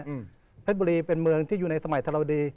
เพชรบุรีเป็นเมืองที่อยู่ในสมัยธรวดี